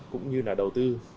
cũng như là đầu tư